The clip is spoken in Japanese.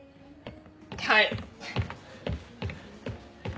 はい。